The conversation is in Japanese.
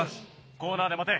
コーナーでまて。